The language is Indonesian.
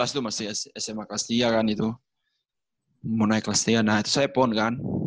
dua ribu enam belas itu masih sma kelas tiga kan itu mau naik kelas tiga nah itu saya pon kan